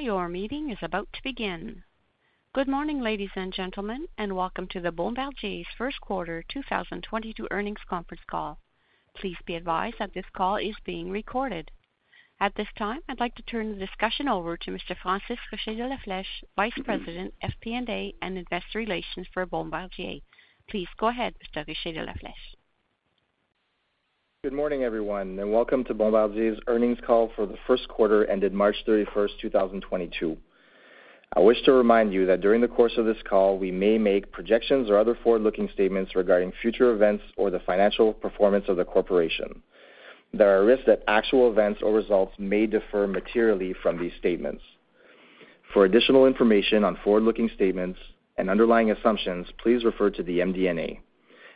Your meeting is about to begin. Good morning, ladies and gentlemen, and Welcome to the Bombardier's First Quarter 2022 Earnings Conference Call. Please be advised that this call is being recorded. At this time, I'd like to turn the discussion over to Mr. Francis Richer de La Flèche, Vice President FP&A and Investor Relations for Bombardier. Please go ahead, Mr. Richer de La Flèche. Good morning, everyone, and Welcome to Bombardier's Earnings Call for the First Quarter Ended March 31st, 2022. I wish to remind you that during the course of this call, we may make projections or other forward-looking statements regarding future events or the financial performance of the corporation. There are risks that actual events or results may differ materially from these statements. For additional information on forward-looking statements and underlying assumptions, please refer to the MD&A.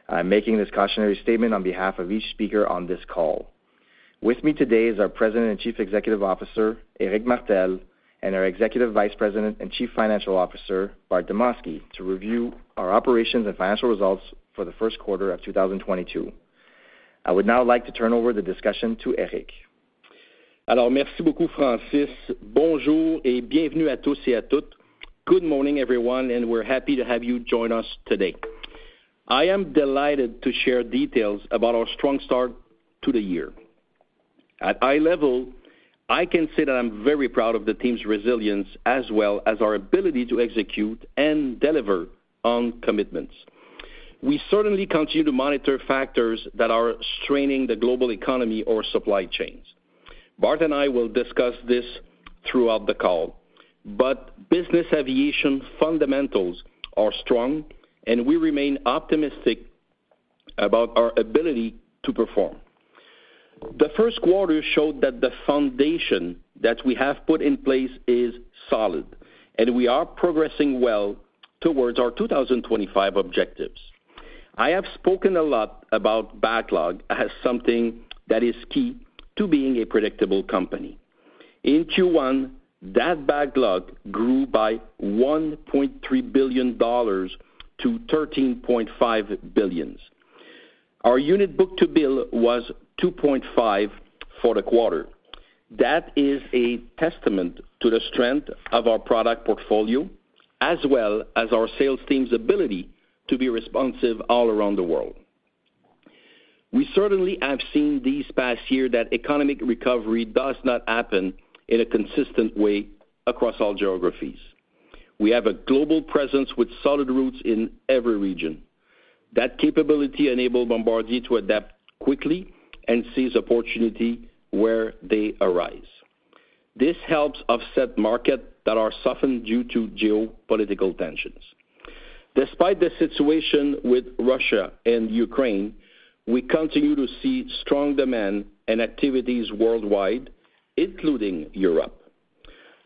I'm making this cautionary statement on behalf of each speaker on this call. With me today is our President and Chief Executive Officer, Éric Martel, and our Executive Vice President and Chief Financial Officer, Bart Demosky, to review our operations and financial results for the first quarter of 2022. I would now like to turn over the discussion to Éric. Merci beaucoup, Francis. Bonjour et bienvenue à tous et à toutes. Good morning, everyone, and we're happy to have you join us today. I am delighted to share details about our strong start to the year. At high level, I can say that I'm very proud of the team's resilience as well as our ability to execute and deliver on commitments. We certainly continue to monitor factors that are straining the global economy or supply chains. Bart and I will discuss this throughout the call, but business aviation fundamentals are strong, and we remain optimistic about our ability to perform. The first quarter showed that the foundation that we have put in place is solid, and we are progressing well towards our 2025 objectives. I have spoken a lot about backlog as something that is key to being a predictable company. In Q1, that backlog grew by $1.3 billion to $13.5 billion. Our unit book-to-bill was 2.5 for the quarter. That is a testament to the strength of our product portfolio as well as our sales team's ability to be responsive all around the world. We certainly have seen this past year that economic recovery does not happen in a consistent way across all geographies. We have a global presence with solid roots in every region. That capability enabled Bombardier to adapt quickly and seize opportunities where they arise. This helps offset markets that are softened due to geopolitical tensions. Despite the situation with Russia and Ukraine, we continue to see strong demand and activities worldwide, including Europe.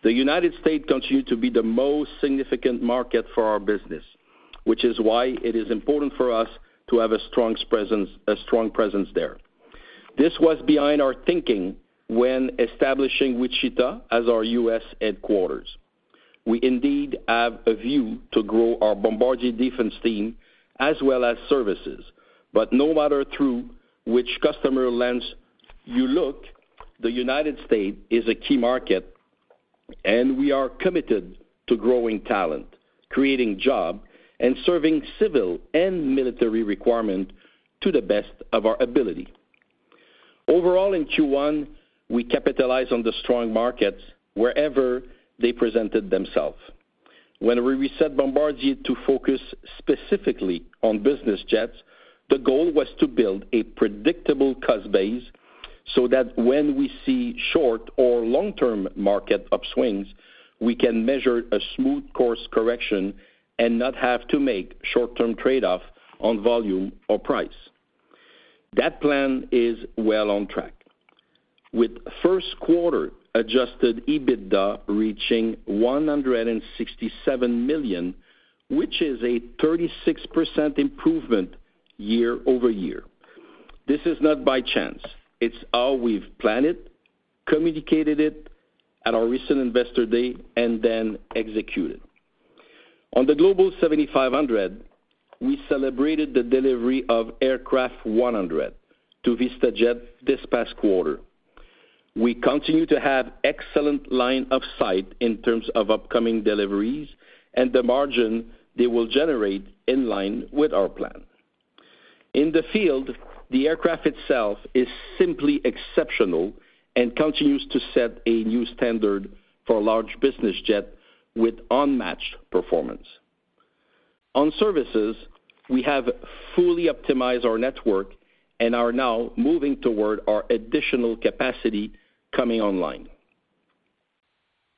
The United States continue to be the most significant market for our business, which is why it is important for us to have a strong presence there. This was behind our thinking when establishing Wichita as our U.S. headquarters. We indeed have a view to grow our Bombardier Defense team as well as services, but no matter through which customer lens you look, the United States is a key market, and we are committed to growing talent, creating jobs and serving civil and military requirements to the best of our ability. Overall, in Q1, we capitalize on the strong markets wherever they presented themselves. When we reset Bombardier to focus specifically on business jets, the goal was to build a predictable cost base so that when we see short or long-term market upswings, we can measure a smooth course correction and not have to make short-term trade-off on volume or price. That plan is well on track. With first quarter adjusted EBITDA reaching $167 million, which is a 36% improvement year-over-year. This is not by chance. It's how we've planned it, communicated it at our recent Investor Day, and then executed. On the Global 7500, we celebrated the delivery of aircraft 100 to VistaJet this past quarter. We continue to have excellent line of sight in terms of upcoming deliveries and the margin they will generate in line with our plan. In the field, the aircraft itself is simply exceptional and continues to set a new standard for large business jet with unmatched performance. On services, we have fully optimized our network and are now moving toward our additional capacity coming online.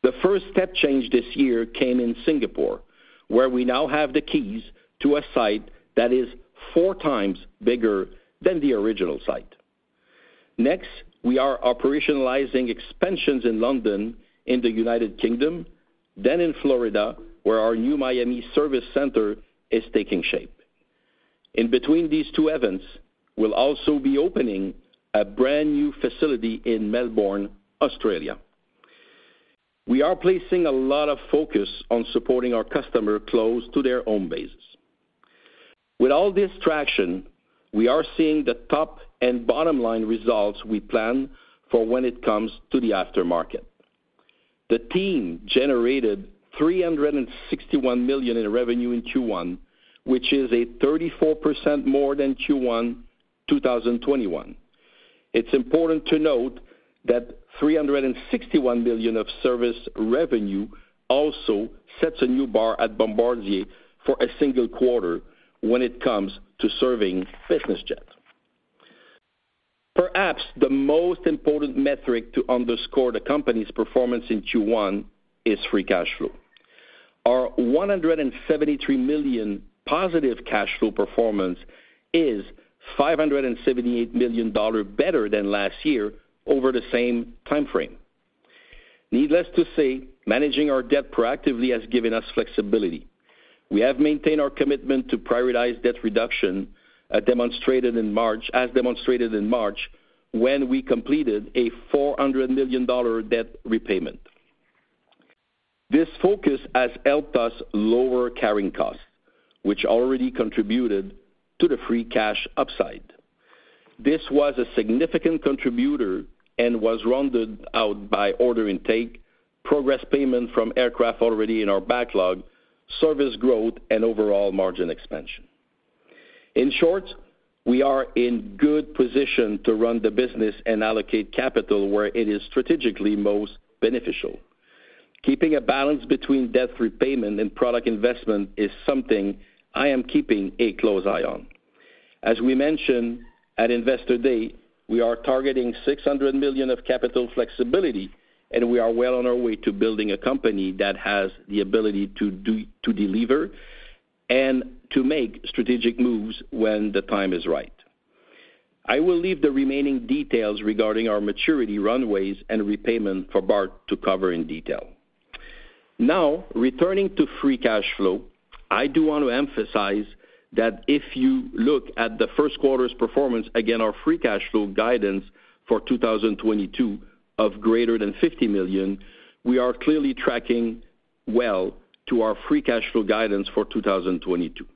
The first step change this year came in Singapore, where we now have the keys to a site that is four times bigger than the original site. Next, we are operationalizing expansions in London in the United Kingdom, then in Florida, where our new Miami service center is taking shape. In between these two events, we'll also be opening a brand-new facility in Melbourne, Australia. We are placing a lot of focus on supporting our customer close to their own bases. With all this traction, we are seeing the top and bottom line results we plan for when it comes to the aftermarket. The team generated $361 million in revenue in Q1, which is 34% more than Q1 2021. It's important to note that $361 million of service revenue also sets a new bar at Bombardier for a single quarter when it comes to serving business jets. Perhaps the most important metric to underscore the company's performance in Q1 is free cash flow. Our $173 million positive cash flow performance is $578 million better than last year over the same time frame. Needless to say, managing our debt proactively has given us flexibility. We have maintained our commitment to prioritize debt reduction, as demonstrated in March, when we completed a $400 million debt repayment. This focus has helped us lower carrying costs, which already contributed to the free cash upside. This was a significant contributor and was rounded out by order intake, progress payment from aircraft already in our backlog, service growth, and overall margin expansion. In short, we are in good position to run the business and allocate capital where it is strategically most beneficial. Keeping a balance between debt repayment and product investment is something I am keeping a close eye on. As we mentioned at Investor Day, we are targeting $600 million of capital flexibility, and we are well on our way to building a company that has the ability to to deliver and to make strategic moves when the time is right. I will leave the remaining details regarding our maturity runways and repayment for Bart to cover in detail. Now, returning to free cash flow, I do want to emphasize that if you look at the first quarter's performance, again, our free cash flow guidance for 2022 of greater than $50 million, we are clearly tracking well to our free cash flow guidance for 2022.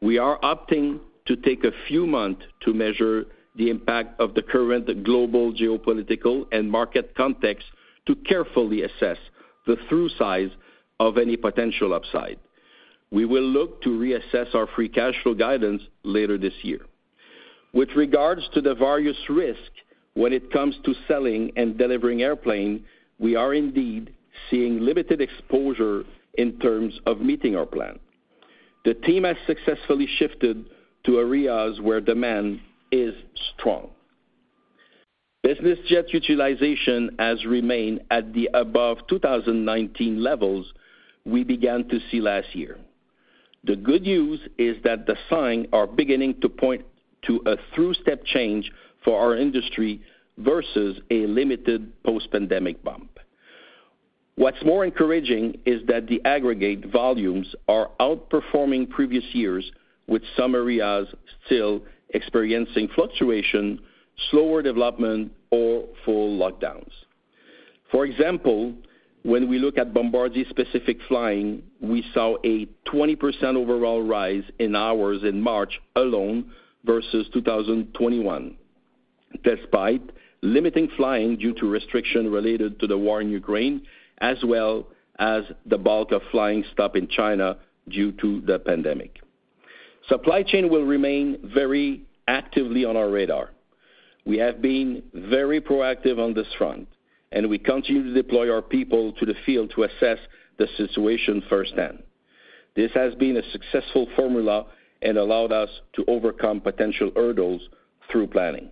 We are opting to take a few months to measure the impact of the current global geopolitical and market context to carefully assess the true size of any potential upside. We will look to reassess our free cash flow guidance later this year. With regards to the various risks when it comes to selling and delivering airplane, we are indeed seeing limited exposure in terms of meeting our plan. The team has successfully shifted to areas where demand is strong. Business jet utilization has remained at the above 2019 levels we began to see last year. The good news is that the signs are beginning to point to a through-step change for our industry versus a limited post-pandemic bump. What's more encouraging is that the aggregate volumes are outperforming previous years, with some areas still experiencing fluctuation, slower development, or full lockdowns. For example, when we look at Bombardier-specific flying, we saw a 20% overall rise in hours in March alone versus 2021, despite limiting flying due to restrictions related to the war in Ukraine, as well as the bulk of flying stop in China due to the pandemic. Supply chain will remain very actively on our radar. We have been very proactive on this front, and we continue to deploy our people to the field to assess the situation firsthand. This has been a successful formula and allowed us to overcome potential hurdles through planning.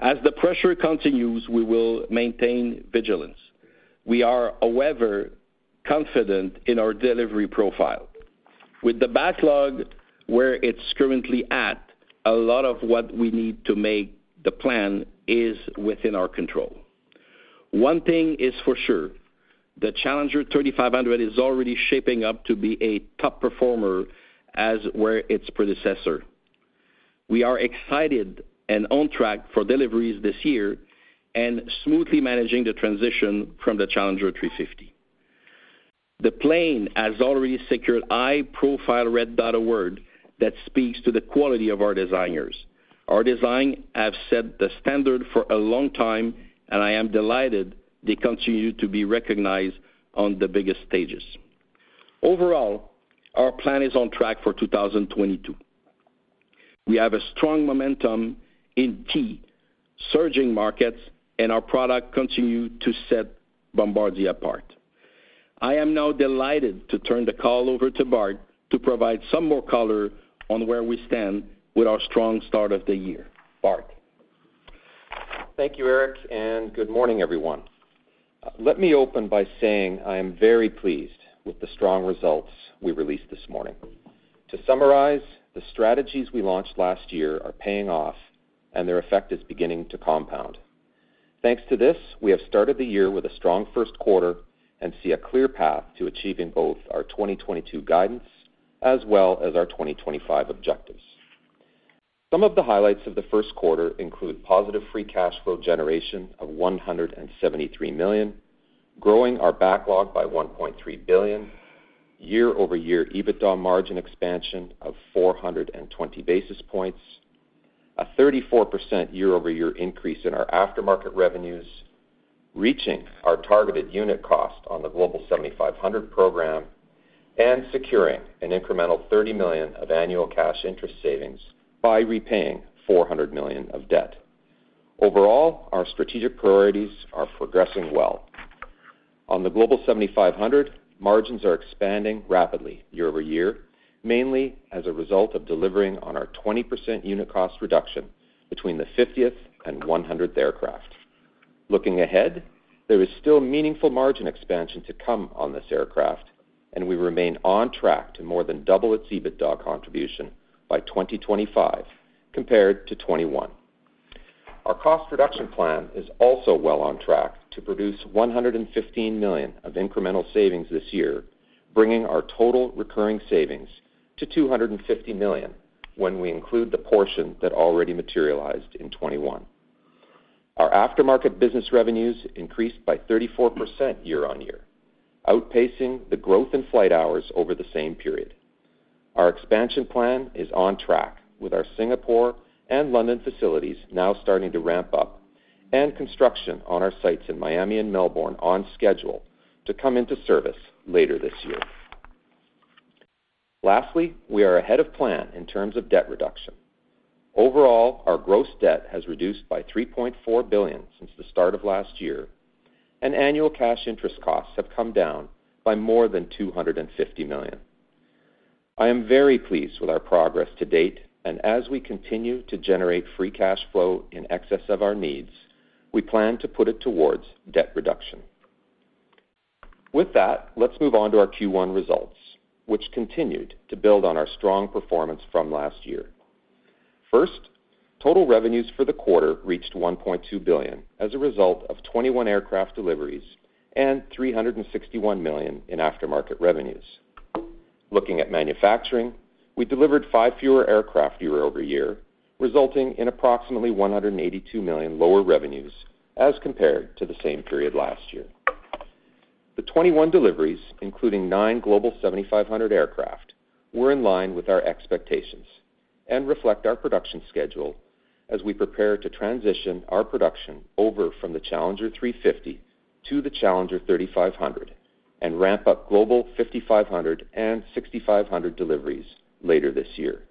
As the pressure continues, we will maintain vigilance. We are, however, confident in our delivery profile. With the backlog where it's currently at, a lot of what we need to make the plan is within our control. One thing is for sure, the Challenger 3500 is already shaping up to be a top performer, as were its predecessor. We are excited and on track for deliveries this year and smoothly managing the transition from the Challenger 350. The plane has already secured high-profile Red Dot Award that speaks to the quality of our designers. Our design have set the standard for a long time, and I am delighted they continue to be recognized on the biggest stages. Overall, our plan is on track for 2022. We have a strong momentum in key surging markets, and our products continue to set Bombardier apart. I am now delighted to turn the call over to Bart to provide some more color on where we stand with our strong start of the year. Bart? Thank you, Éric, and good morning, everyone. Let me open by saying I am very pleased with the strong results we released this morning. To summarize, the strategies we launched last year are paying off, and their effect is beginning to compound. Thanks to this, we have started the year with a strong first quarter and see a clear path to achieving both our 2022 guidance as well as our 2025 objectives. Some of the highlights of the first quarter include positive free cash flow generation of $173 million, growing our backlog by $1.3 billion, year-over-year EBITDA margin expansion of 420 basis points, a 34% year-over-year increase in our aftermarket revenues, reaching our targeted unit cost on the Global 7500 program, and securing an incremental $30 million of annual cash interest savings by repaying $400 million of debt. Overall, our strategic priorities are progressing well. On the Global 7500, margins are expanding rapidly year-over-year, mainly as a result of delivering on our 20% unit cost reduction between the 50th and 100th aircraft. Looking ahead, there is still meaningful margin expansion to come on this aircraft, and we remain on track to more than double its EBITDA contribution by 2025 compared to 2021. Our cost reduction plan is also well on track to produce $115 million of incremental savings this year, bringing our total recurring savings to $250 million when we include the portion that already materialized in 2021. Our aftermarket business revenues increased by 34% year-over-year, outpacing the growth in flight hours over the same period. Our expansion plan is on track with our Singapore and London facilities now starting to ramp up and construction on our sites in Miami and Melbourne on schedule to come into service later this year. Lastly, we are ahead of plan in terms of debt reduction. Overall, our gross debt has reduced by $3.4 billion since the start of last year, and annual cash interest costs have come down by more than $250 million. I am very pleased with our progress to date, and as we continue to generate free cash flow in excess of our needs, we plan to put it towards debt reduction. With that, let's move on to our Q1 results, which continued to build on our strong performance from last year. First, total revenues for the quarter reached $1.2 billion as a result of 21 aircraft deliveries and $361 million in aftermarket revenues. Looking at manufacturing, we delivered 5 fewer aircraft year-over-year, resulting in approximately $182 million lower revenues as compared to the same period last year. The 21 deliveries, including 9 Global 7500 aircraft, were in line with our expectations and reflect our production schedule as we prepare to transition our production over from the Challenger 350 to the Challenger 3500 and ramp up Global 5500 and 6500 deliveries later this year.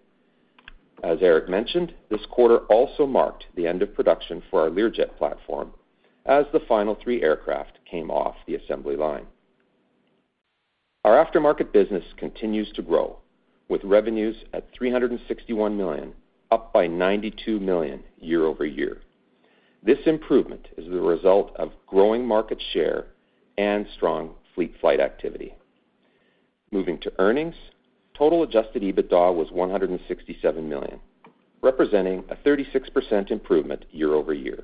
As Éric mentioned, this quarter also marked the end of production for our Learjet platform as the final 3 aircraft came off the assembly line. Our aftermarket business continues to grow with revenues at $361 million, up by $92 million year-over-year. This improvement is the result of growing market share and strong fleet flight activity. Moving to earnings, total adjusted EBITDA was $167 million, representing a 36% improvement year-over-year.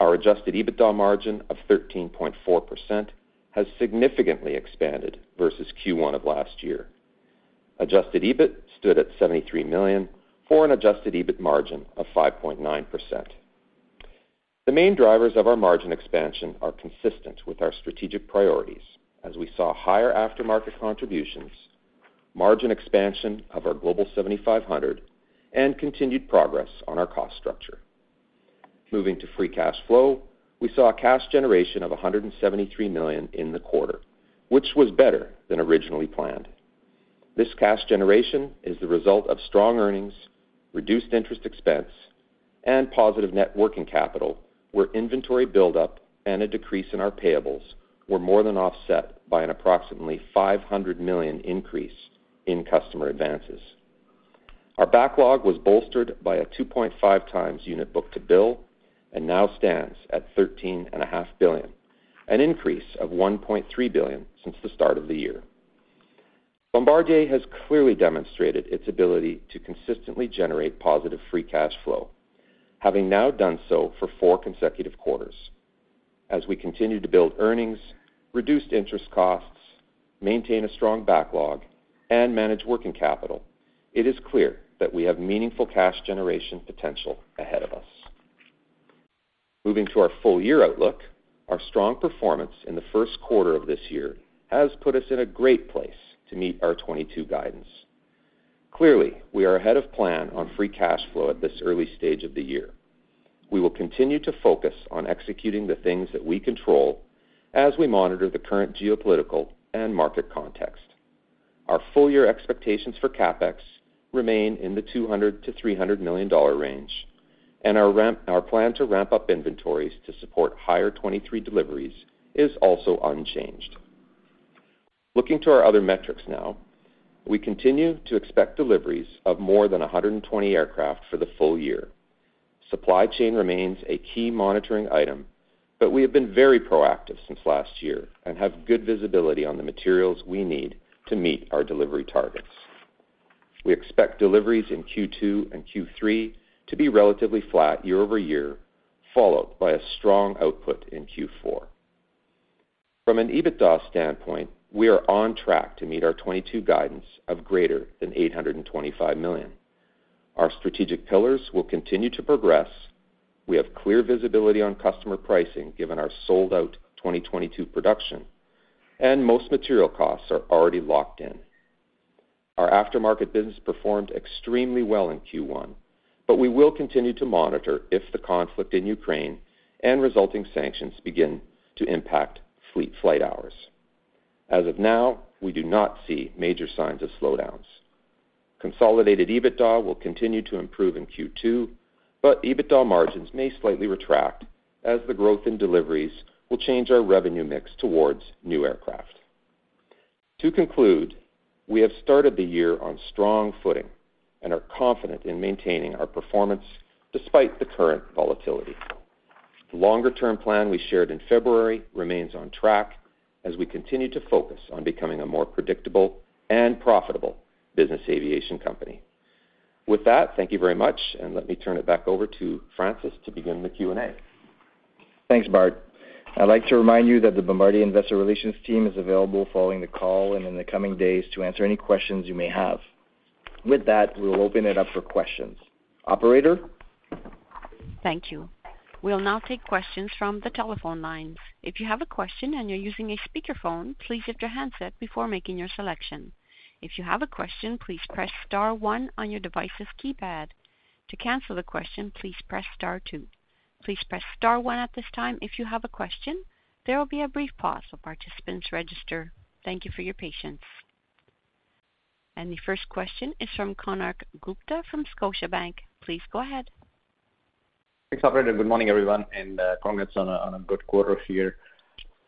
Our adjusted EBITDA margin of 13.4% has significantly expanded versus Q1 of last year. Adjusted EBIT stood at $73 million for an adjusted EBIT margin of 5.9%. The main drivers of our margin expansion are consistent with our strategic priorities as we saw higher aftermarket contributions, margin expansion of our Global 7500, and continued progress on our cost structure. Moving to free cash flow, we saw a cash generation of $173 million in the quarter, which was better than originally planned. This cash generation is the result of strong earnings, reduced interest expense, and positive net working capital, where inventory buildup and a decrease in our payables were more than offset by an approximately $500 million increase in customer advances. Our backlog was bolstered by a 2.5 times unit book-to-bill and now stands at $13.5 billion, an increase of $1.3 billion since the start of the year. Bombardier has clearly demonstrated its ability to consistently generate positive free cash flow, having now done so for 4 consecutive quarters. As we continue to build earnings, reduce interest costs, maintain a strong backlog, and manage working capital, it is clear that we have meaningful cash generation potential ahead of us. Moving to our full year outlook, our strong performance in the first quarter of this year has put us in a great place to meet our 2022 guidance. Clearly, we are ahead of plan on free cash flow at this early stage of the year. We will continue to focus on executing the things that we control as we monitor the current geopolitical and market context. Our full year expectations for CapEx remain in the $200 million-$300 million range, and our plan to ramp up inventories to support higher 2023 deliveries is also unchanged. Looking to our other metrics now, we continue to expect deliveries of more than 120 aircraft for the full year. Supply chain remains a key monitoring item, but we have been very proactive since last year and have good visibility on the materials we need to meet our delivery targets. We expect deliveries in Q2 and Q3 to be relatively flat year-over-year, followed by a strong output in Q4. From an EBITDA standpoint, we are on track to meet our 2022 guidance of greater than $825 million. Our strategic pillars will continue to progress. We have clear visibility on customer pricing given our sold-out 2022 production, and most material costs are already locked in. Our aftermarket business performed extremely well in Q1, but we will continue to monitor if the conflict in Ukraine and resulting sanctions begin to impact fleet flight hours. As of now, we do not see major signs of slowdowns. Consolidated EBITDA will continue to improve in Q2, but EBITDA margins may slightly retract as the growth in deliveries will change our revenue mix towards new aircraft. To conclude, we have started the year on strong footing and are confident in maintaining our performance despite the current volatility. The longer-term plan we shared in February remains on track as we continue to focus on becoming a more predictable and profitable business aviation company. With that, thank you very much, and let me turn it back over to Francis to begin the Q&A. Thanks, Bart. I'd like to remind you that the Bombardier Investor Relations team is available following the call and in the coming days to answer any questions you may have. With that, we'll open it up for questions. Operator? Thank you. We'll now take questions from the telephone lines. If you have a question and you're using a speakerphone, please mute your handset before making your selection. If you have a question, please press star one on your device's keypad. To cancel the question, please press star two. Please press star one at this time if you have a question. There will be a brief pause while participants register. Thank you for your patience. The first question is from Konark Gupta from Scotiabank. Please go ahead. Thanks, operator. Good morning, everyone, and congrats on a good quarter here.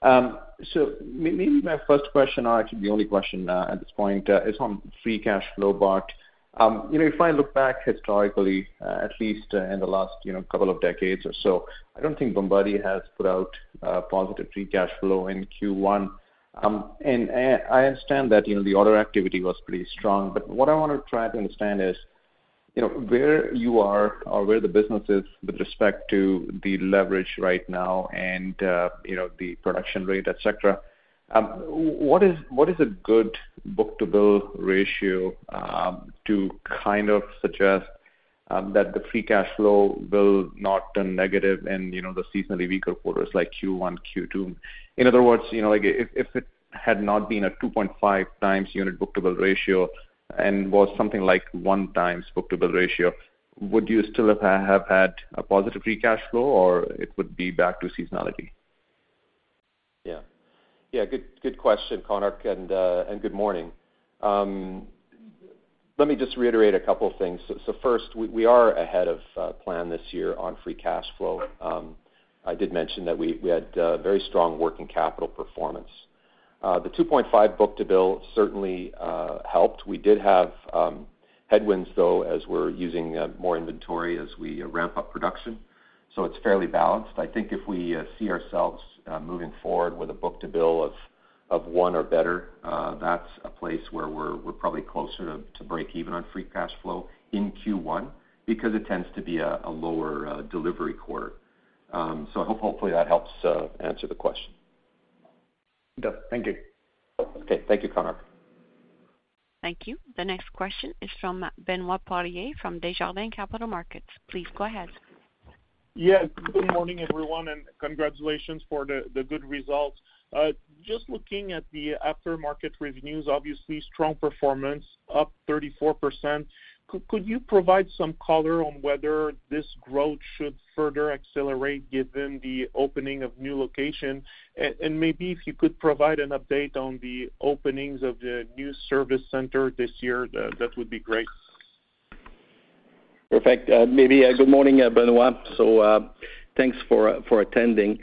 Maybe my first question, or actually the only question, at this point, is on free cash flow, Bart. You know, if I look back historically, at least in the last couple of decades or so, I don't think Bombardier has put out positive free cash flow in Q1. I understand that the order activity was pretty strong. What I want to try to understand is, you know, where you are or where the business is with respect to the leverage right now and the production rate, et cetera. What is a good book-to-bill ratio to kind of suggest that the free cash flow will not turn negative and, you know, the seasonally weaker quarters like Q1, Q2? In other words, you know, like if it had not been a 2.5 times unit book-to-bill ratio and was something like 1 times book-to-bill ratio, would you still have had a positive free cash flow, or it would be back to seasonality? Yeah. Good question, Konark, and good morning. Let me just reiterate a couple of things. First, we are ahead of plan this year on free cash flow. I did mention that we had very strong working capital performance. The 2.5 book-to-bill certainly helped. We did have headwinds, though, as we're using more inventory as we ramp up production, so it's fairly balanced. I think if we see ourselves moving forward with a book-to-bill of one or better, that's a place where we're probably closer to break even on free cash flow in Q1 because it tends to be a lower delivery quarter. Hopefully that helps answer the question. It does. Thank you. Okay. Thank you, Konark. Thank you. The next question is from Benoit Poirier from Desjardins Capital Markets. Please go ahead. Yes. Good morning, everyone, and congratulations for the good results. Just looking at the aftermarket revenues, obviously strong performance, up 34%. Could you provide some color on whether this growth should further accelerate given the opening of new location? And maybe if you could provide an update on the openings of the new service center this year, that would be great. Perfect. Maybe good morning, Benoit. Thanks for attending.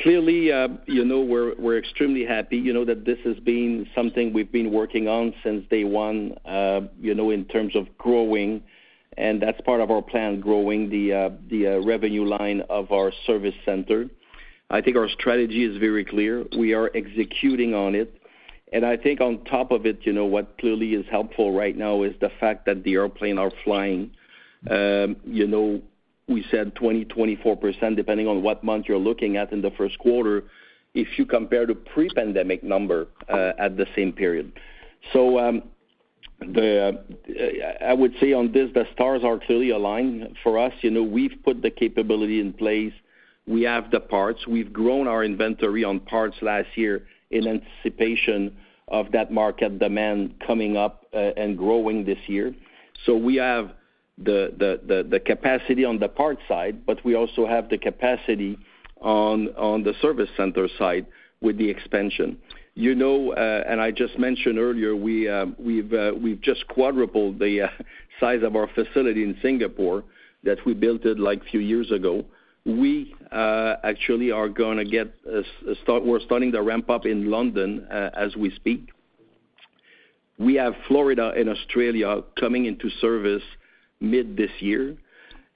Clearly, you know, we're extremely happy, you know, that this has been something we've been working on since day one, you know, in terms of growing, and that's part of our plan, growing the revenue line of our service center. I think our strategy is very clear. We are executing on it. I think on top of it, you know, what clearly is helpful right now is the fact that the airplane are flying. You know, we said 24%, depending on what month you're looking at in the first quarter, if you compare the pre-pandemic number at the same period. I would say on this, the stars are clearly aligned for us. You know, we've put the capability in place. We have the parts. We've grown our inventory on parts last year in anticipation of that market demand coming up, and growing this year. We have the capacity on the parts side, but we also have the capacity on the service center side with the expansion. I just mentioned earlier, we've just quadrupled the size of our facility in Singapore that we built it like few years ago. We actually are gonna get a – we're starting to ramp up in London as we speak. We have Florida and Australia coming into service mid this year.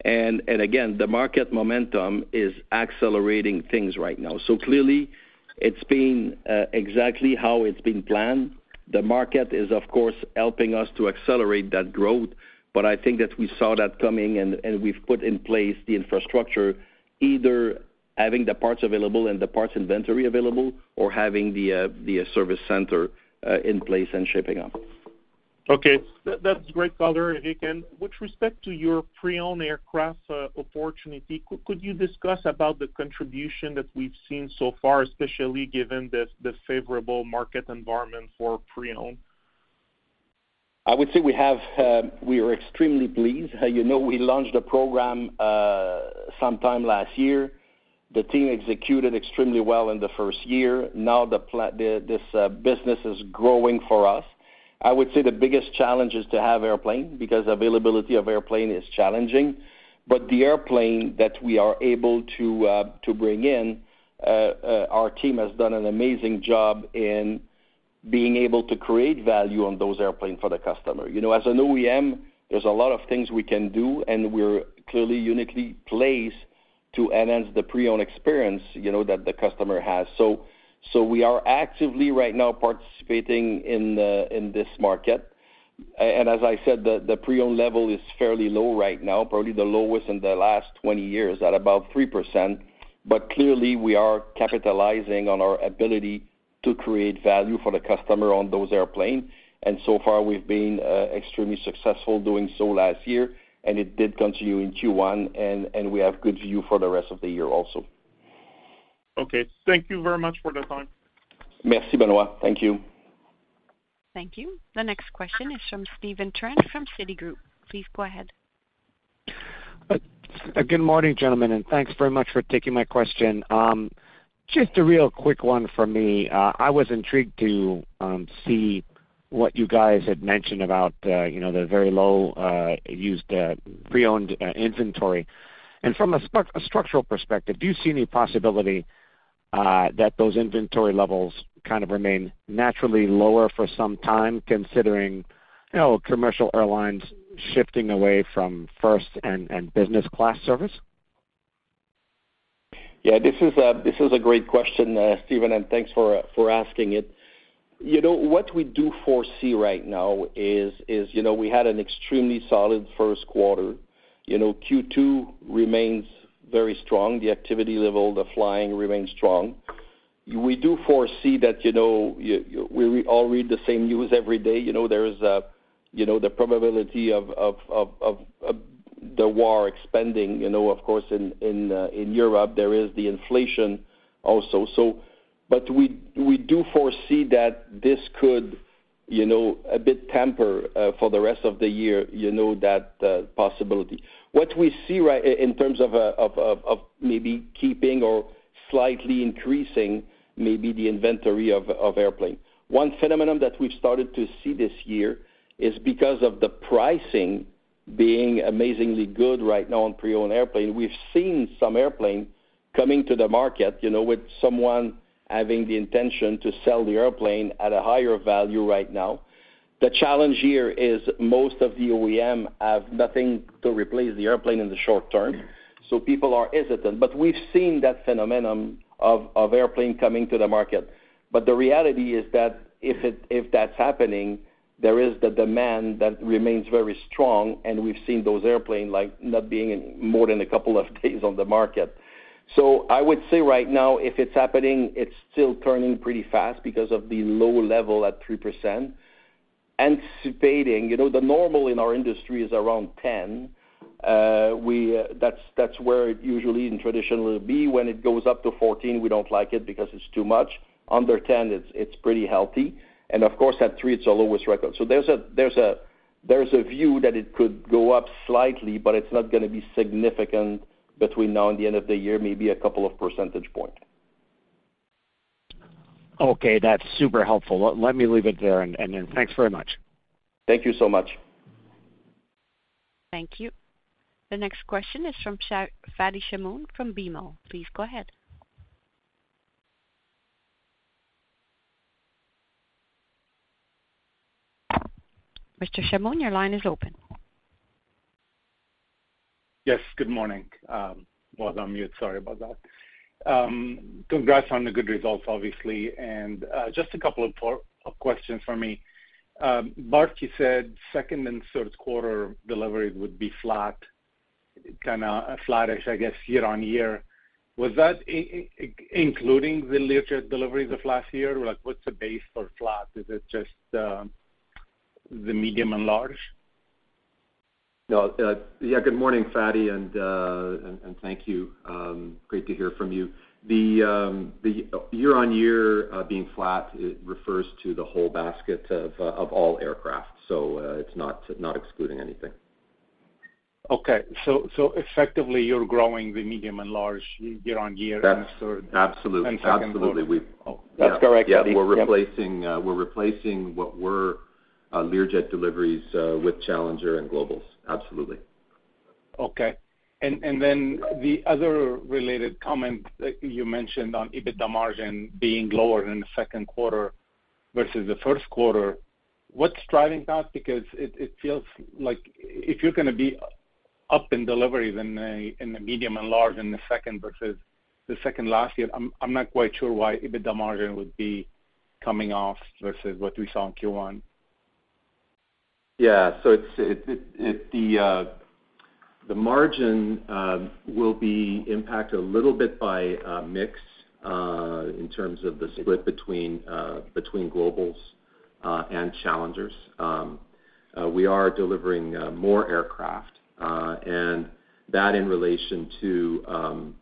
Again, the market momentum is accelerating things right now. Clearly it's been exactly how it's been planned. The market is of course helping us to accelerate that growth, but I think that we saw that coming and we've put in place the infrastructure, either having the parts available and the parts inventory available, or having the service center in place and shaping up. Okay. That's great color, Éric. With respect to your pre-owned aircraft opportunity, could you discuss about the contribution that we've seen so far, especially given the favorable market environment for pre-owned? I would say we are extremely pleased. You know, we launched a program sometime last year. The team executed extremely well in the first year. Now this business is growing for us. I would say the biggest challenge is to have airplane, because availability of airplane is challenging. The airplane that we are able to bring in, our team has done an amazing job in being able to create value on those airplane for the customer. You know, as an OEM, there's a lot of things we can do, and we're clearly uniquely placed to enhance the pre-owned experience, you know, that the customer has. We are actively right now participating in this market. As I said, the pre-owned level is fairly low right now, probably the lowest in the last 20 years at about 3%. Clearly we are capitalizing on our ability to create value for the customer on those airplane, and so far we've been extremely successful doing so last year, and it did continue in Q1, and we have good view for the rest of the year also. Okay, thank you very much for the time. Merci, Benoit. Thank you. Thank you. The next question is from Steven Trent from Citigroup. Please go ahead. Good morning, gentlemen, and thanks very much for taking my question. Just a real quick one from me. I was intrigued to see what you guys had mentioned about, you know, the very low used, pre-owned inventory. From a structural perspective, do you see any possibility that those inventory levels kind of remain naturally lower for some time, considering, you know, commercial airlines shifting away from first and business class service? Yeah, this is a great question, Steven, and thanks for asking it. You know, what we do foresee right now is, you know, we had an extremely solid first quarter. You know, Q2 remains very strong. The activity level, the flying remains strong. We do foresee that, you know, we all read the same news every day. You know, there is, you know, the probability of the war expanding, you know. Of course, in Europe, there is the inflation also. We do foresee that this could, you know, a bit temper for the rest of the year, you know, that possibility. What we see in terms of maybe keeping or slightly increasing maybe the inventory of airplane. One phenomenon that we've started to see this year is because of the pricing being amazingly good right now on pre-owned airplane. We've seen some airplane coming to the market, you know, with someone having the intention to sell the airplane at a higher value right now. The challenge here is most of the OEM have nothing to replace the airplane in the short term, so people are hesitant. We've seen that phenomenon of airplane coming to the market. The reality is that if that's happening, there is the demand that remains very strong, and we've seen those airplane like not being in more than a couple of days on the market. I would say right now, if it's happening, it's still turning pretty fast because of the low level at 3%. Anticipating, you know, the normal in our industry is around 10. That's where it usually and traditionally will be. When it goes up to 14, we don't like it because it's too much. Under 10, it's pretty healthy. Of course, at 3, it's the lowest record. There's a view that it could go up slightly, but it's not gonna be significant between now and the end of the year, maybe a couple of percentage point. Okay, that's super helpful. Let me leave it there and then thanks very much. Thank you so much. Thank you. The next question is from Fadi Chamoun from BMO. Please go ahead. Mr. Chamoun, your line is open. Good morning. Was on mute, sorry about that. Congrats on the good results, obviously. Just a couple of questions for me. Bart, you said second and third quarter deliveries would be flat, kinda flattish, I guess, year-over-year. Was that including the Learjet deliveries of last year? Like, what's the base for flat? Is it just the medium and large? No. Yeah, good morning, Fadi, and thank you. Great to hear from you. Year-over-year being flat, it refers to the whole basket of all aircraft. It's not excluding anything. Effectively you're growing the medium and large year on year in the third- That's absolutely. Second quarter. Absolutely, we've That's correct. Yeah. We're replacing what were Learjet deliveries with Challenger and Globals. Absolutely. Okay. Then the other related comment you mentioned on EBITDA margin being lower than the second quarter versus the first quarter. What's driving that? Because it feels like if you're gonna be up in deliveries in the medium and large in the second versus the second last year, I'm not quite sure why EBITDA margin would be coming off versus what we saw in Q1. The margin will be impacted a little bit by mix in terms of the split between globals and challengers. We are delivering more aircraft. That in relation to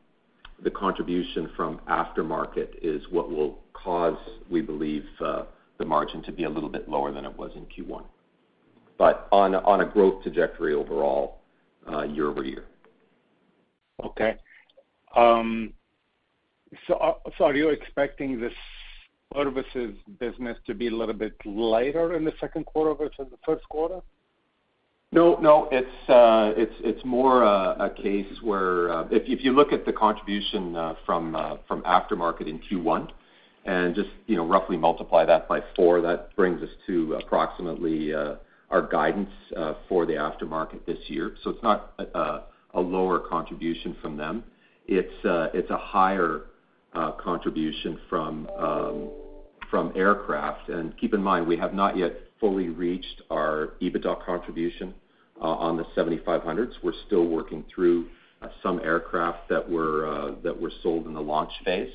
the contribution from aftermarket is what will cause, we believe, the margin to be a little bit lower than it was in Q1. On a growth trajectory overall, year-over-year. Are you expecting this services business to be a little bit lighter in the second quarter versus the first quarter? No, no. It's more a case where, if you look at the contribution from aftermarket in Q1 and just, you know, roughly multiply that by four, that brings us to approximately our guidance for the aftermarket this year. It's not a lower contribution from them. It's a higher contribution from aircraft. Keep in mind, we have not yet fully reached our EBITDA contribution on the 7500s. We're still working through some aircraft that were sold in the launch phase,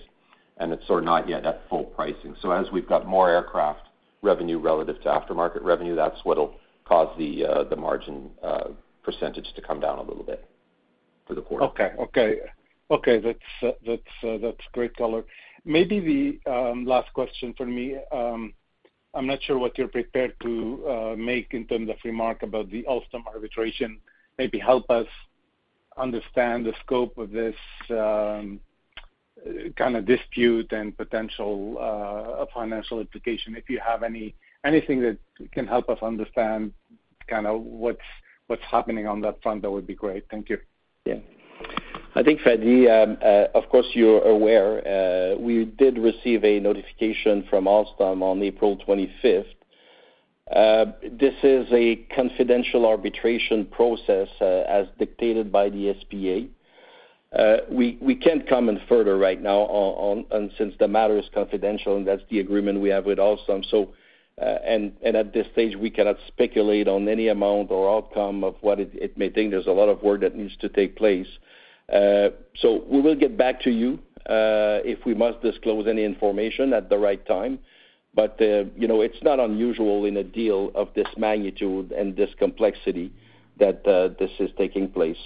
and it's sort of not yet at full pricing. As we've got more aircraft revenue relative to aftermarket revenue, that's what'll cause the margin percentage to come down a little bit for the quarter. Okay. That's great color. Maybe the last question from me. I'm not sure what you're prepared to make in terms of remark about the Alstom arbitration. Maybe help us understand the scope of this kind of dispute and potential financial implication. If you have anything that can help us understand kind of what's happening on that front, that would be great. Thank you. Yeah. I think, Fadi, of course, you're aware, we did receive a notification from Alstom on April 25th. This is a confidential arbitration process, as dictated by the SPA. We can't comment further right now, and since the matter is confidential, and that's the agreement we have with Alstom. At this stage, we cannot speculate on any amount or outcome of what it may bring. There's a lot of work that needs to take place. We will get back to you if we must disclose any information at the right time. You know, it's not unusual in a deal of this magnitude and this complexity that this is taking place.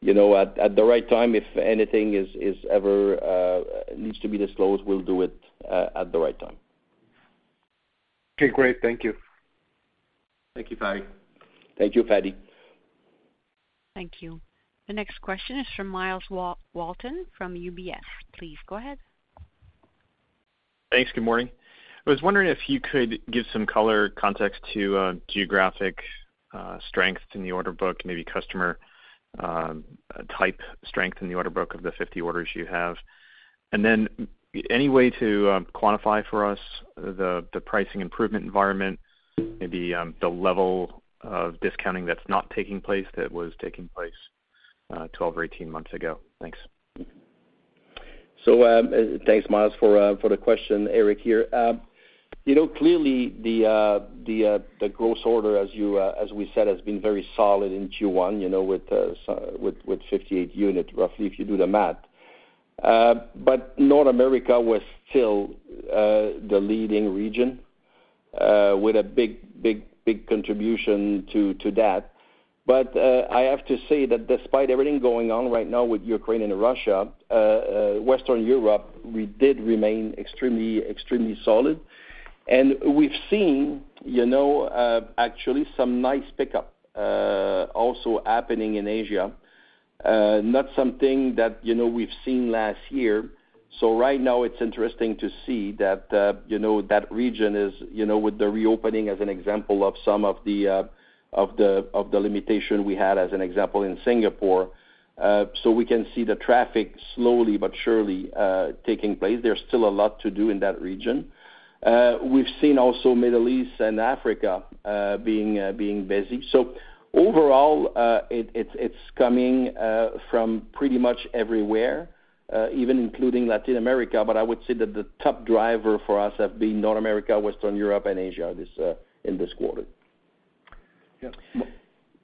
You know, at the right time, if anything is ever needs to be disclosed, we'll do it at the right time. Okay, great. Thank you. Thank you, Fadi. Thank you, Fadi. Thank you. The next question is from Myles Walton from UBS. Please go ahead. Thanks. Good morning. I was wondering if you could give some color context to geographic strength in the order book, maybe customer type strength in the order book of the 50 orders you have. Any way to quantify for us the pricing improvement environment, maybe the level of discounting that's not taking place that was taking place 12 or 18 months ago? Thanks. Thanks, Myles, for the question. Éric here. You know, clearly the gross order, as we said, has been very solid in Q1, you know, with 58 units roughly if you do the math. North America was still the leading region with a big contribution to that. I have to say that despite everything going on right now with Ukraine and Russia, Western Europe, we did remain extremely solid. We've seen, you know, actually some nice pickup also happening in Asia, not something that, you know, we've seen last year. Right now it's interesting to see that, you know, that region is, you know, with the reopening as an example of some of the limitation we had, as an example, in Singapore. We can see the traffic slowly but surely taking place. There's still a lot to do in that region. We've seen also Middle East and Africa being busy. Overall, it's coming from pretty much everywhere, even including Latin America. I would say that the top driver for us have been North America, Western Europe, and Asia in this quarter. Yeah. Myles-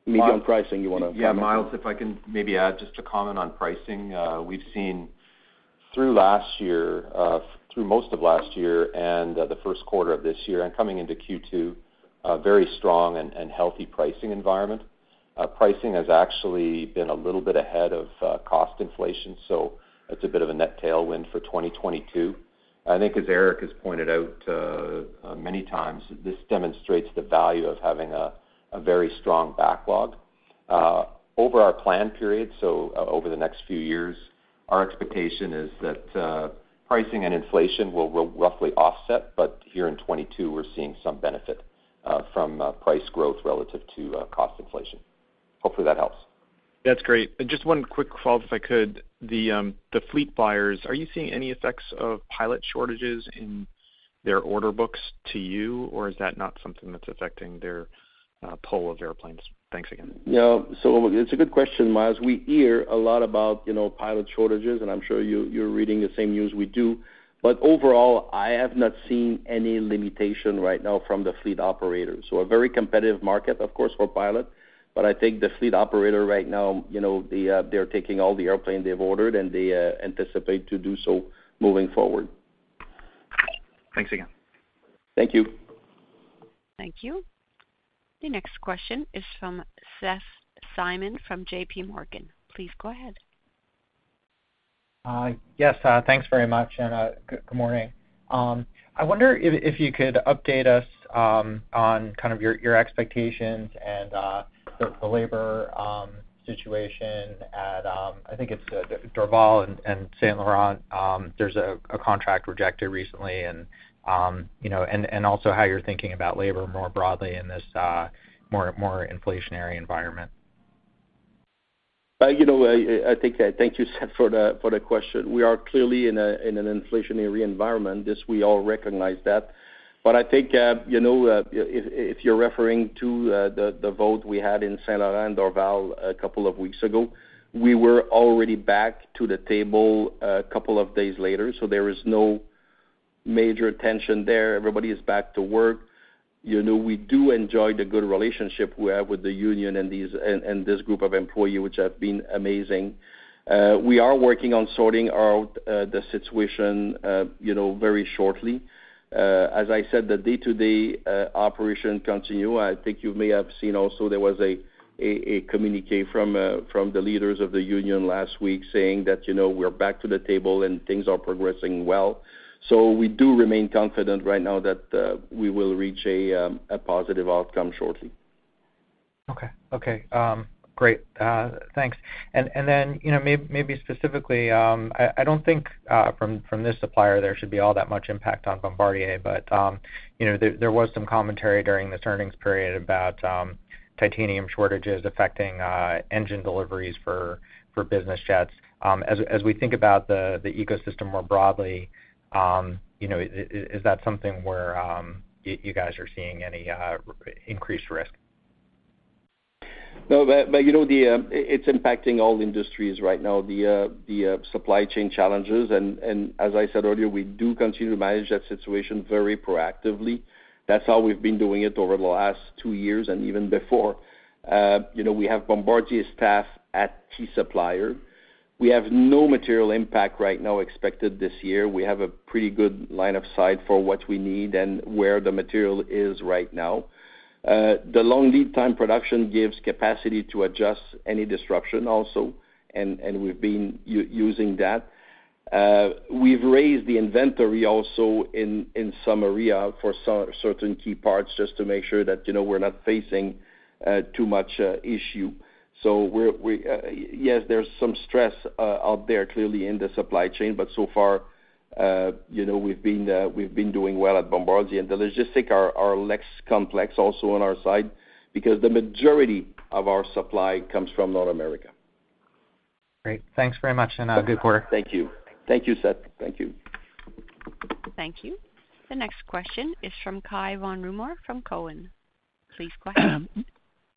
My- On pricing, you wanna comment on that? Yeah, Myles, if I can maybe add just a comment on pricing. We've seen through last year, through most of last year and the first quarter of this year and coming into Q2, a very strong and healthy pricing environment. Pricing has actually been a little bit ahead of cost inflation, so it's a bit of a net tailwind for 2022. I think as Éric has pointed out many times, this demonstrates the value of having a very strong backlog. Over our plan period, over the next few years, our expectation is that pricing and inflation will roughly offset. Here in 2022, we're seeing some benefit from price growth relative to cost inflation. Hopefully, that helps. That's great. Just one quick follow-up, if I could. The fleet buyers, are you seeing any effects of pilot shortages in their order books to you, or is that not something that's affecting their pull of airplanes? Thanks again. Yeah. It's a good question, Myles. We hear a lot about, you know, pilot shortages, and I'm sure you're reading the same news we do. Overall, I have not seen any limitation right now from the fleet operators. A very competitive market, of course, for pilot. I think the fleet operator right now, you know, the, they're taking all the airplane they've ordered, and they anticipate to do so moving forward. Thanks again. Thank you. Thank you. The next question is from Seth Seifman from JPMorgan. Please go ahead. Yes, thanks very much, and good morning. I wonder if you could update us on kind of your expectations and the labor situation at, I think it's the Dorval and Saint-Laurent. There's a contract rejected recently and, you know, and also how you're thinking about labor more broadly in this more inflationary environment. You know, I think. Thank you, Seth, for the question. We are clearly in an inflationary environment. This we all recognize that. I think, you know, if you're referring to the vote we had in Saint-Laurent, Dorval a couple of weeks ago, we were already back to the table a couple of days later, so there is no major tension there. Everybody is back to work. You know, we do enjoy the good relationship we have with the union and this group of employees, which have been amazing. We are working on sorting out the situation, you know, very shortly. As I said, the day-to-day operations continue. I think you may have seen also there was a communiqué from the leaders of the union last week saying that, you know, we're back to the table and things are progressing well. We do remain confident right now that we will reach a positive outcome shortly. Okay. Great. Thanks. Then, you know, maybe specifically, I don't think from this supplier there should be all that much impact on Bombardier, but you know, there was some commentary during this earnings period about titanium shortages affecting engine deliveries for business jets. As we think about the ecosystem more broadly, you know, is that something where you guys are seeing any increased risk? No. But you know, it's impacting all industries right now, the supply chain challenges. As I said earlier, we do continue to manage that situation very proactively. That's how we've been doing it over the last two years and even before. We have Bombardier staff at key supplier. We have no material impact right now expected this year. We have a pretty good line of sight for what we need and where the material is right now. The long lead time production gives capacity to adjust any disruption also, and we've been using that. We've raised the inventory also in some area for certain key parts, just to make sure that, you know, we're not facing too much issue. Yes, there's some stress out there clearly in the supply chain, but so far, you know, we've been doing well at Bombardier. The logistics are less complex also on our side because the majority of our supply comes from North America. Great. Thanks very much and good quarter. Thank you. Thank you, Seth. Thank you. Thank you. The next question is from Cai von Rumohr from TD Cowen. Please go ahead.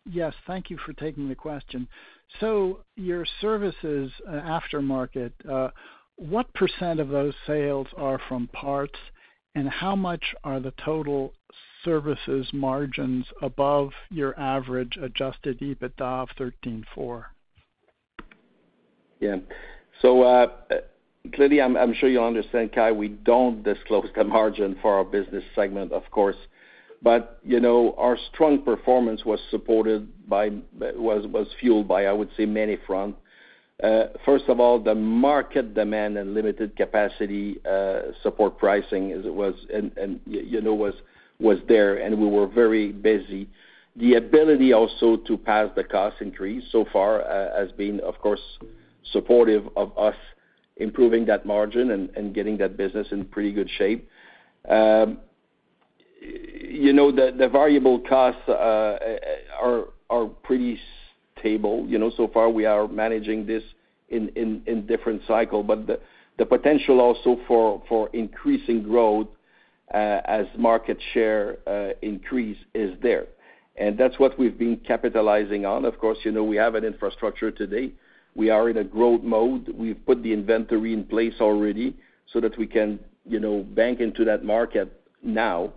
Yes, thank you for taking the question. Your services aftermarket, what percent of those sales are from parts, and how much are the total services margins above your average adjusted EBITDA of 13.4%? Yeah. Clearly, I'm sure you'll understand, Cai, we don't disclose the margin for our business segment, of course. You know, our strong performance was fueled by, I would say, many fronts. First of all, the market demand and limited capacity supported pricing, and you know, was there, and we were very busy. The ability also to pass the cost increase so far has been, of course, supportive of us improving that margin and getting that business in pretty good shape. You know, the variable costs are pretty stable. You know, so far, we are managing this in different cycle. The potential also for increasing growth as market share increase is there. That's what we've been capitalizing on. Of course, you know, we have an infrastructure today. We are in a growth mode. We've put the inventory in place already so that we can, you know, bank into that market now.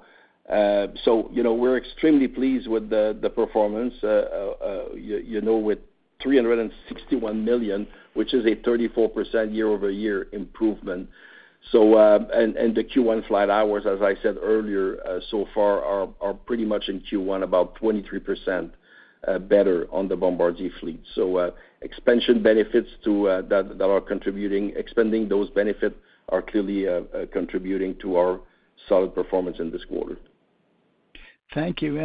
We're extremely pleased with the performance, you know, with $361 million, which is a 34% year-over-year improvement. And the Q1 flight hours, as I said earlier, so far are pretty much in Q1 about 23% better on the Bombardier fleet. Expansion benefits to that are contributing, expanding those benefits are clearly contributing to our solid performance in this quarter. Thank you.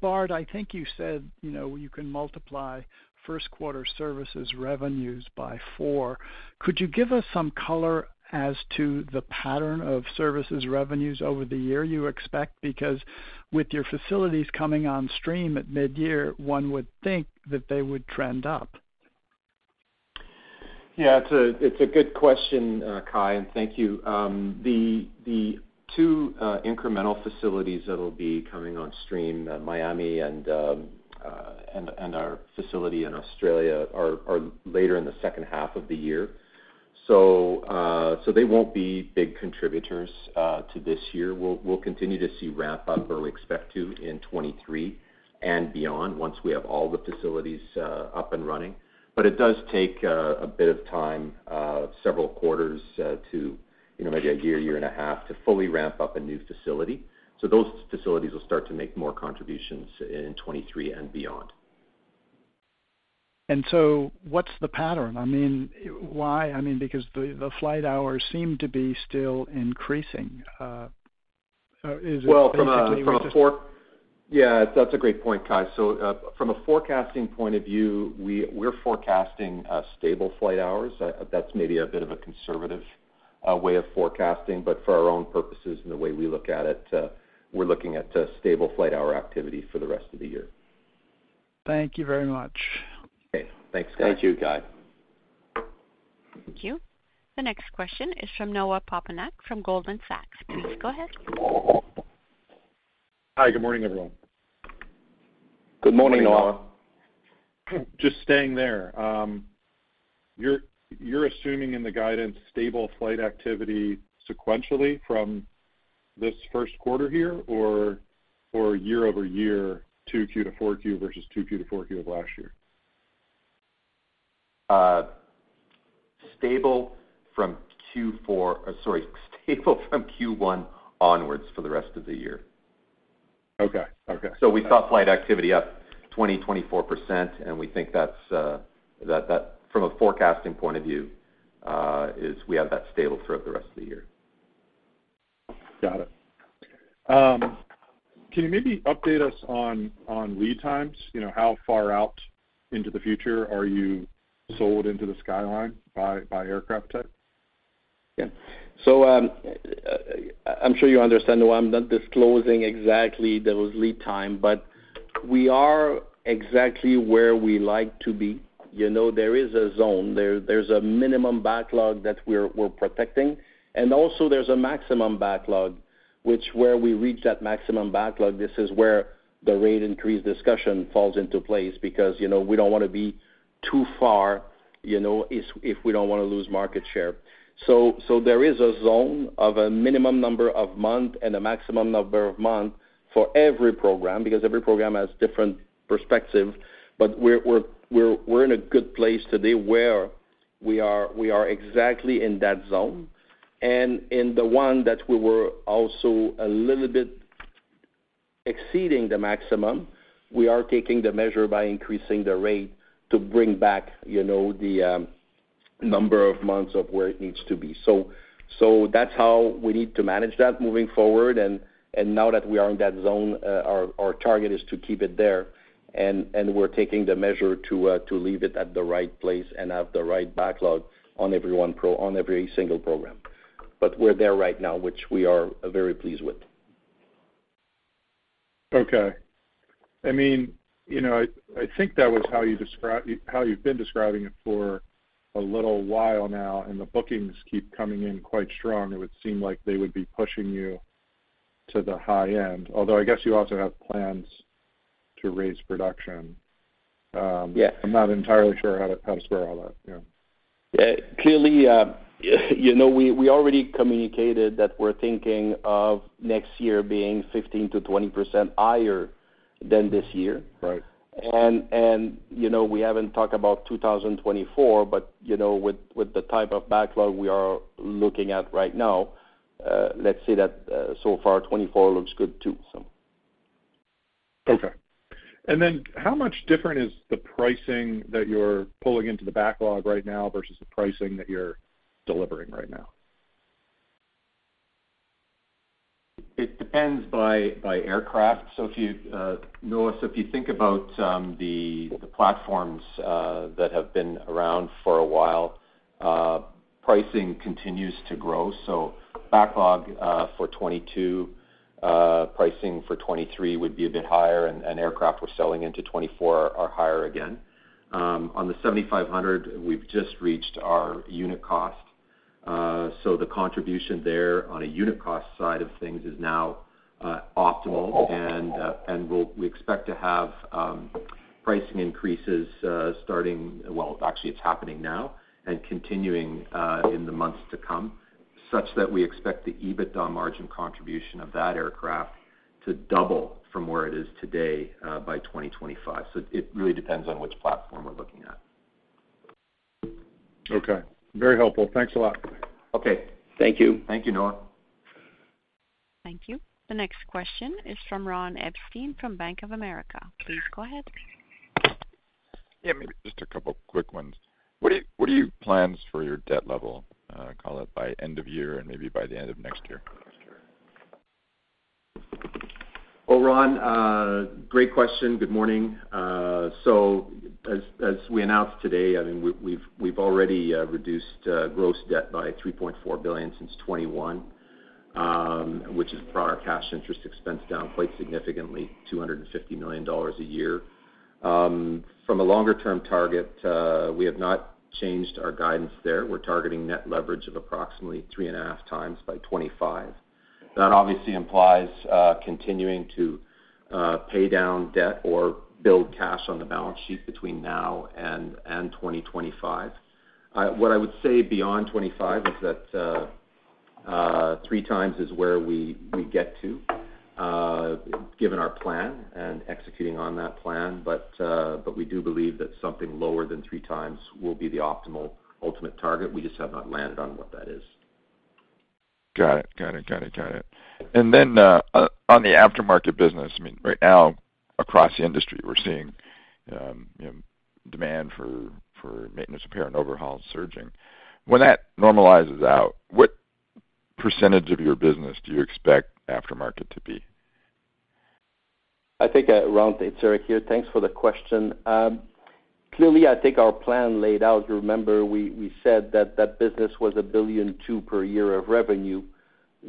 Bart, I think you said, you know, you can multiply first quarter services revenues by 4. Could you give us some color as to the pattern of services revenues over the year you expect? Because with your facilities coming on stream at mid-year, one would think that they would trend up. Yeah, it's a good question, Cai, and thank you. The two incremental facilities that'll be coming on stream, Miami and our facility in Australia, are later in the second half of the year. They won't be big contributors to this year. We'll continue to see ramp up, or we expect to, in 2023 and beyond once we have all the facilities up and running. It does take a bit of time, several quarters, you know, maybe a year and a half to fully ramp up a new facility. Those facilities will start to make more contributions in 2023 and beyond. What's the pattern? I mean, why? I mean, because the flight hours seem to be still increasing. Is it basically just- Well, yeah, that's a great point, Cai. From a forecasting point of view, we're forecasting stable flight hours. That's maybe a bit of a conservative way of forecasting, but for our own purposes and the way we look at it, we're looking at a stable flight hour activity for the rest of the year. Thank you very much. Okay, thanks, Cai. Thank you, Cai. Thank you. The next question is from Noah Poponak from Goldman Sachs. Please go ahead. Hi, good morning, everyone. Good morning, Noah. Just staying there. You're assuming in the guidance stable flight activity sequentially from this first quarter here or year-over-year to Q2 to Q4 versus Q2 to Q4 of last year? Stable from Q1 onwards for the rest of the year. Okay. Okay. We saw flight activity up 24%, and we think that from a forecasting point of view is we have that stable throughout the rest of the year. Got it. Can you maybe update us on lead times? You know, how far out into the future are you sold into the supply line by aircraft type? Yeah. I'm sure you understand why I'm not disclosing exactly those lead time, but we are exactly where we like to be. You know, there is a zone. There's a minimum backlog that we're protecting. And also there's a maximum backlog, which, where we reach that maximum backlog, this is where the rate increase discussion falls into place because, you know, we don't wanna be too far, you know, if we don't wanna lose market share. There is a zone of a minimum number of months and a maximum number of months for every program, because every program has different perspective. But we're in a good place today where we are exactly in that zone. In the one that we were also a little bit exceeding the maximum, we are taking the measure by increasing the rate to bring back, you know, the number of months of where it needs to be. That's how we need to manage that moving forward. Now that we are in that zone, our target is to keep it there. We're taking the measure to leave it at the right place and have the right backlog on every single program. We're there right now, which we are very pleased with. Okay. I mean, you know, I think that was how you've been describing it for a little while now, and the bookings keep coming in quite strong. It would seem like they would be pushing you to the high end. Although, I guess you also have plans to raise production. Yes. I'm not entirely sure how to square all that. Yeah. Yeah. Clearly, you know, we already communicated that we're thinking of next year being 15%-20% higher than this year. Right. You know, we haven't talked about 2024, but you know, with the type of backlog we are looking at right now, let's say that so far, 2024 looks good too. Okay. How much different is the pricing that you're pulling into the backlog right now versus the pricing that you're delivering right now? It depends by aircraft. If you, Noah, think about the platforms that have been around for a while, pricing continues to grow. Backlog for 2022, pricing for 2023 would be a bit higher, and aircraft we're selling into 2024 are higher again. On the 7500, we've just reached our unit cost. The contribution there on a unit cost side of things is now optimal. We'll expect to have pricing increases starting. Well, actually it's happening now, and continuing in the months to come, such that we expect the EBITDA margin contribution of that aircraft to double from where it is today by 2025. It really depends on which platform we're looking at. Okay. Very helpful. Thanks a lot. Okay. Thank you. Thank you, Noah. Thank you. The next question is from Ron Epstein from Bank of America. Please go ahead. Yeah, maybe just a couple quick ones. What are your plans for your debt level, call it by end of year and maybe by the end of next year? Well, Ron, great question. Good morning. So as we announced today, I mean, we've already reduced gross debt by $3.4 billion since 2021. Which has brought our cash interest expense down quite significantly, $250 million a year. From a longer-term target, we have not changed our guidance there. We're targeting net leverage of approximately 3.5 times by 2025. That obviously implies continuing to pay down debt or build cash on the balance sheet between now and 2025. What I would say beyond 2025 is that 3 times is where we get to given our plan and executing on that plan. We do believe that something lower than 3 times will be the optimal ultimate target. We just have not landed on what that is. Got it. On the aftermarket business, I mean, right now across the industry, we're seeing demand for maintenance repair and overhaul surging. When that normalizes out, what percentage of your business do you expect aftermarket to be? I think, Ron, it's Éric here. Thanks for the question. Clearly, I think our plan laid out. You remember we said that business was $1.2 billion per year of revenue.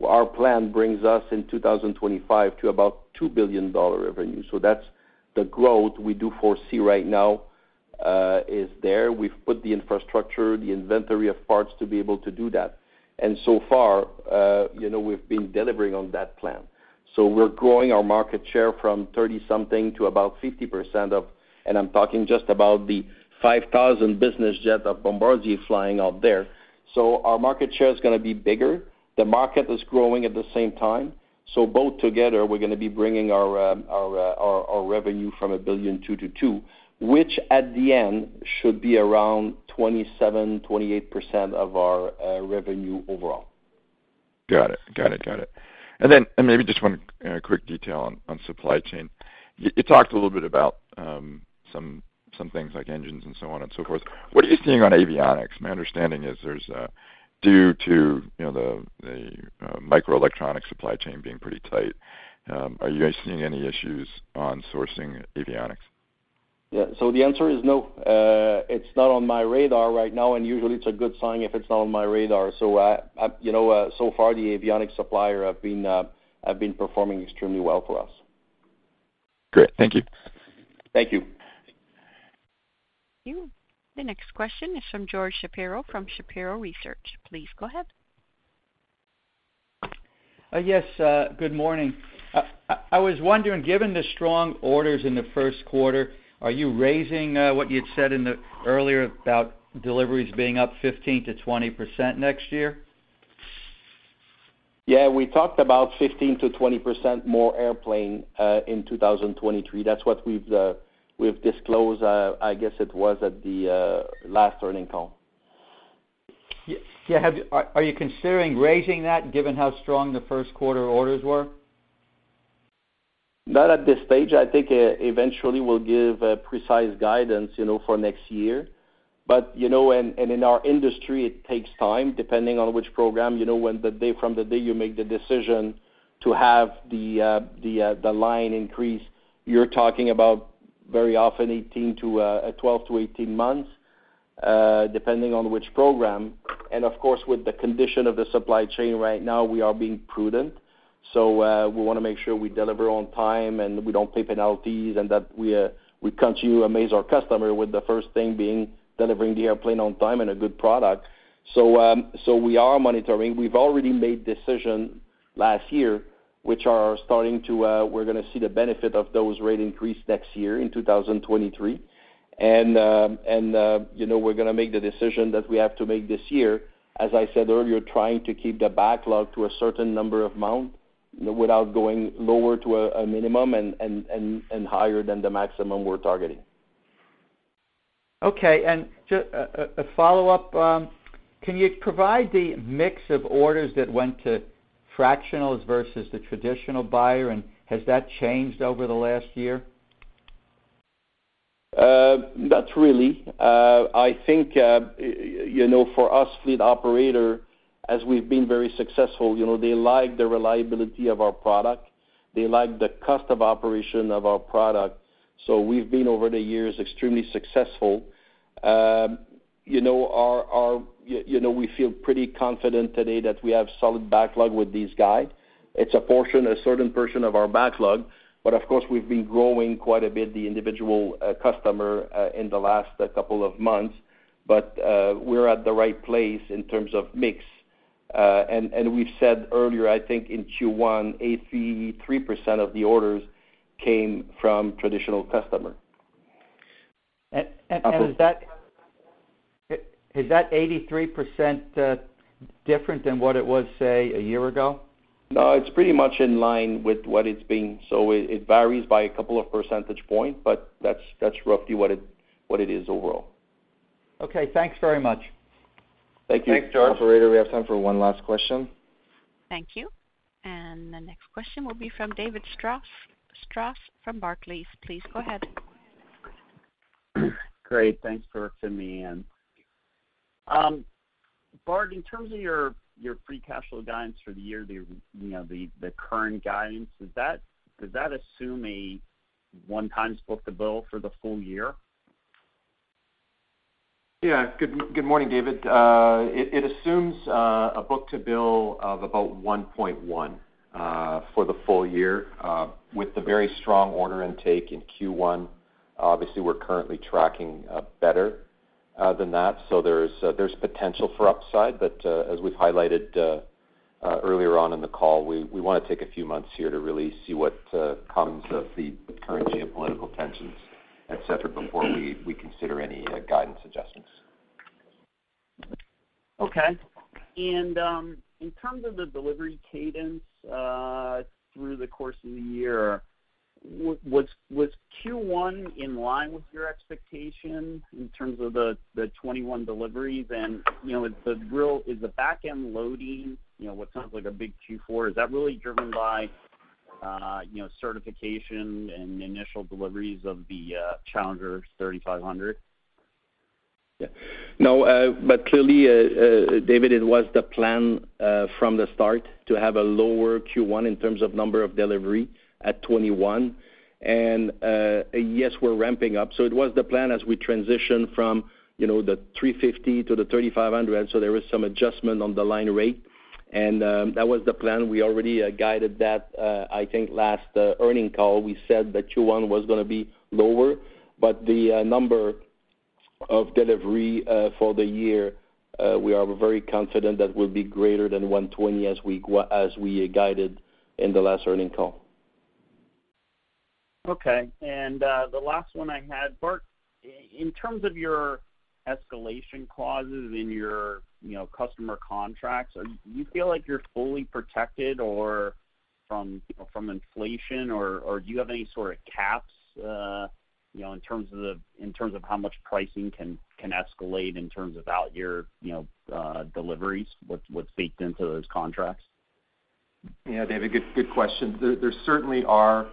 Our plan brings us in 2025 to about $2 billion revenue. That's the growth we do foresee right now is there. We've put the infrastructure, the inventory of parts to be able to do that. So far, you know, we've been delivering on that plan. We're growing our market share from 30-something to about 50% of, and I'm talking just about the 5,000 business jet of Bombardier flying out there. Our market share is gonna be bigger. The market is growing at the same time. Both together, we're gonna be bringing our revenue from $1.2 billion to $2 billion, which at the end should be around 27%-28% of our revenue overall. Got it. Maybe just one quick detail on supply chain. You talked a little bit about some things like engines and so on and so forth. What are you seeing on avionics? My understanding is, due to you know the microelectronic supply chain being pretty tight, are you guys seeing any issues on sourcing avionics? Yeah. The answer is no. It's not on my radar right now, and usually, it's a good sign if it's not on my radar. I, you know, so far, the avionics supplier have been performing extremely well for us. Great. Thank you. Thank you. Thank you. The next question is from George Shapiro from Shapiro Research. Please go ahead. Good morning. I was wondering, given the strong orders in the first quarter, are you raising what you had said in the earlier about deliveries being up 15%-20% next year? Yeah, we talked about 15%-20% more airplane in 2023. That's what we've disclosed, I guess it was at the last earnings call. Yeah. Are you considering raising that given how strong the first quarter orders were? Not at this stage. I think eventually we'll give a precise guidance, you know, for next year. You know, in our industry, it takes time, depending on which program, you know, from the day you make the decision to have the line increase, you're talking about very often 12-18 months, depending on which program. Of course, with the condition of the supply chain right now, we are being prudent. We wanna make sure we deliver on time and we don't pay penalties and that we continue to amaze our customer with the first thing being delivering the airplane on time and a good product. We are monitoring. We've already made decisions last year, which are starting to, we're gonna see the benefit of those rate increases next year in 2023. You know, we're gonna make the decision that we have to make this year, as I said earlier, trying to keep the backlog to a certain number or amount without going lower than a minimum and higher than the maximum we're targeting. Okay. A follow-up, can you provide the mix of orders that went to fractionals versus the traditional buyer? Has that changed over the last year? Not really. I think, you know, for us fleet operator, as we've been very successful, you know, they like the reliability of our product. They like the cost of operation of our product. We've been, over the years, extremely successful. You know, we feel pretty confident today that we have solid backlog with these guys. It's a portion, a certain portion of our backlog, but of course, we've been growing quite a bit the individual customer in the last couple of months. We're at the right place in terms of mix. We've said earlier, I think in Q1, 83% of the orders came from traditional customer. Is that 83% different than what it was, say, a year ago? No, it's pretty much in line with what it's been. It varies by a couple of percentage point, but that's roughly what it is overall. Okay, thanks very much. Thank you. Thanks, George. Operator, we have time for one last question. Thank you. The next question will be from David Strauss from Barclays. Please go ahead. Great. Thanks for fitting me in. Bart, in terms of your free cash flow guidance for the year, you know, the current guidance, does that assume a one-time book-to-bill for the full year? Yeah. Good morning, David. It assumes a book-to-bill of about 1.1 for the full year with the very strong order intake in Q1. Obviously, we're currently tracking better than that, so there's potential for upside. As we've highlighted earlier on in the call, we wanna take a few months here to really see what comes of the current geopolitical tensions, et cetera, before we consider any guidance adjustments. Okay. In terms of the delivery cadence through the course of the year, was Q1 in line with your expectation in terms of the 21 deliveries? You know, is the back end loading, you know, what sounds like a big Q4, is that really driven by, you know, certification and initial deliveries of the Challenger 3500? Yeah. No, but clearly, David, it was the plan from the start to have a lower Q1 in terms of number of delivery at 21. Yes, we're ramping up, it was the plan as we transition from, you know, the 350 to the 3500. There was some adjustment on the line rate, and that was the plan. We already guided that, I think, last earnings call. We said that Q1 was gonna be lower, but the number of delivery for the year, we are very confident that will be greater than 120 as we guided in the last earnings call. Okay. The last one I had. Bart, in terms of your escalation clauses in your, you know, customer contracts, do you feel like you're fully protected or from, you know, from inflation, or do you have any sort of caps, you know, in terms of the in terms of how much pricing can escalate in terms of out year, you know, deliveries? What's baked into those contracts? Yeah, David, good question. There certainly are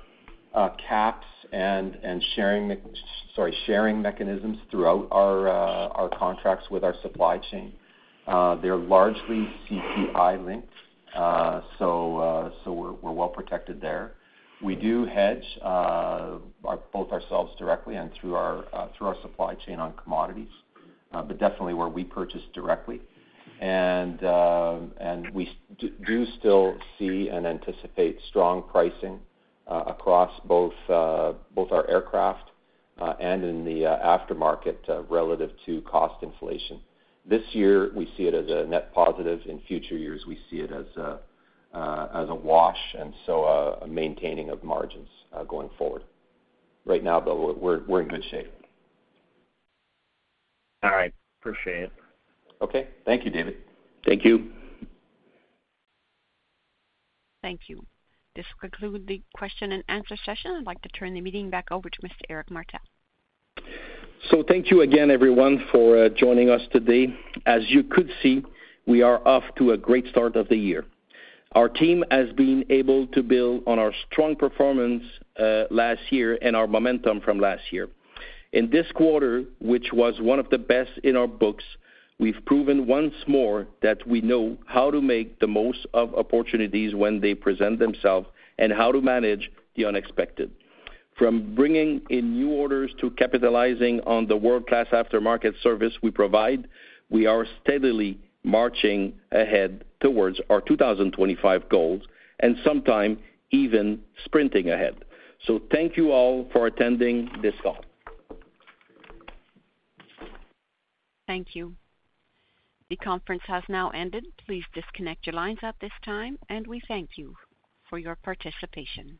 caps and sharing mechanisms throughout our contracts with our supply chain. They're largely CPI linked, so we're well protected there. We do hedge both ourselves directly and through our supply chain on commodities, but definitely where we purchase directly. We do still see and anticipate strong pricing across both our aircraft and in the aftermarket relative to cost inflation. This year, we see it as a net positive. In future years, we see it as a wash, and so a maintaining of margins going forward. Right now, though, we're in good shape. All right. Appreciate it. Okay. Thank you, David. Thank you. Thank you. This concludes the question and answer session. I'd like to turn the meeting back over to Mr. Éric Martel. Thank you again everyone for joining us today. As you could see, we are off to a great start of the year. Our team has been able to build on our strong performance last year and our momentum from last year. In this quarter, which was one of the best in our books, we've proven once more that we know how to make the most of opportunities when they present themselves and how to manage the unexpected. From bringing in new orders to capitalizing on the world-class aftermarket service we provide, we are steadily marching ahead towards our 2025 goals and sometime even sprinting ahead. Thank you all for attending this call. Thank you. The conference has now ended. Please disconnect your lines at this time, and we thank you for your participation.